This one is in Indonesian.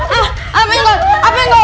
apa yang gaul